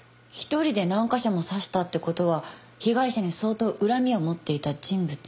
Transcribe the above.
１人で何カ所も刺したって事は被害者に相当恨みを持っていた人物。